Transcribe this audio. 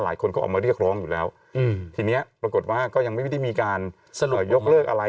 หลายคนก็ออกมาเรียกร้องอยู่แล้วทีนี้ปรากฏว่าก็ยังไม่ได้มีการเสนอยกเลิกอะไร